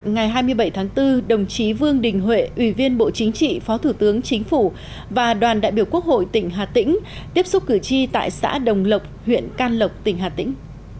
ngày hai mươi bảy tháng bốn đồng chí vương đình huệ ủy viên bộ chính trị phó thủ tướng chính phủ và đoàn đại biểu quốc hội tỉnh hà tĩnh tiếp xúc cử tri tại xã đồng lộc huyện can lộc tỉnh hà tĩnh